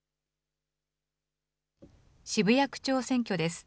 渋谷区長選挙です。